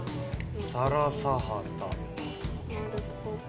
サラサハタ。